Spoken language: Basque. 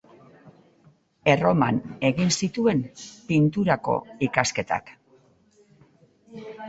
Erroman egin zituen pinturako ikasketak.